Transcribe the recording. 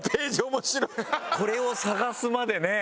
これを探すまでねえ